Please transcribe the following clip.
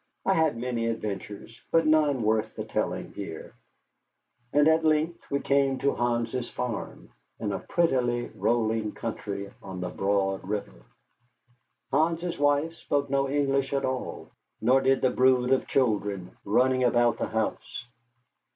I had many adventures, but none worth the telling here. And at length we came to Hans's farm, in a prettily rolling country on the Broad River. Hans's wife spoke no English at all, nor did the brood of children running about the house.